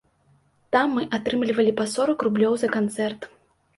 Там мы атрымлівалі па сорак рублёў за канцэрт.